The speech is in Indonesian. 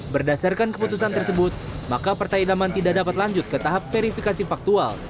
berdasarkan keputusan tersebut maka partai idaman tidak dapat lanjut ke tahap verifikasi faktual